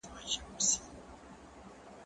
زه مخکي د ښوونځی لپاره تياری کړی وو؟